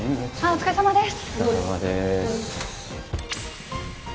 お疲れさまです